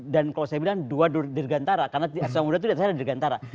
dan kalau saya bilang dua dirgantara karena di satu samudera itu diatasnya ada dirgantara